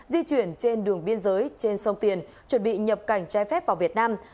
di chuyển trên đường biên giới trên sông tiền chuẩn bị nhập cảnh trái phép vào việt nam